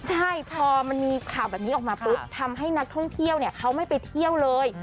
ใช่พอมันมีข่าวแบบนี้ออกมาปุ๊บทำให้นักท่องเที่ยวเขาไม่ไปเที่ยวเลย